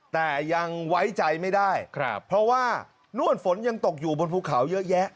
แต่ยังไว้ใจไม่ได้ครับเพราะว่านวลฝนยังตกอยู่บนภูเขาเยอะแยะ